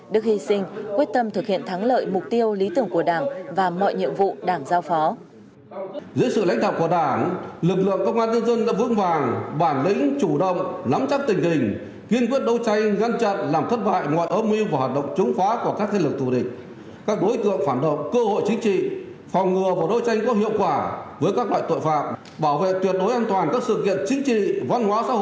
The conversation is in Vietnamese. được hy sinh quyết tâm thực hiện thắng lợi mục tiêu lý tưởng của đảng và mọi nhiệm vụ đảng giao phó